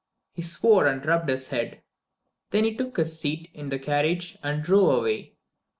He swore and rubbed his head. Then he took his seat in the carriage and drove away.